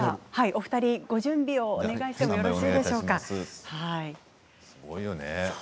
ご準備をお願いしてもよろしいでしょうか。